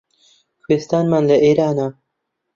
کوێستانمان لە ئێرانە